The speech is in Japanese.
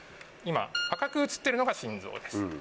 赤く映ってるのが心臓です。